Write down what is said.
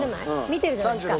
見てるじゃないですか。